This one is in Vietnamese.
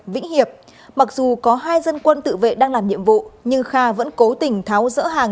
vĩnh hiệp mặc dù có hai dân quân tự vệ đang làm nhiệm vụ nhưng kha vẫn cố tình tháo rỡ hàng